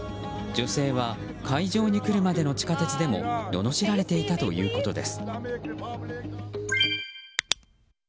女性は会場に来るまでの地下鉄でもののしられていたということです。